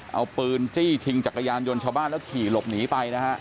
เอาปืนจี้ชิงจักรยานยนต์ชาวบ้านแล้วขี่หลบหนีไปนะฮะ